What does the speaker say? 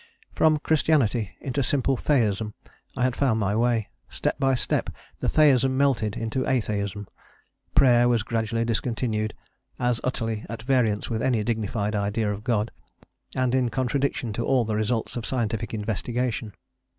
From Christianity into simple Theism I had found my way; step by step the Theism melted into Atheism; prayer was gradually discontinued, as utterly at variance with any dignified idea of God, and as in contradiction to all the results of scientific investigation.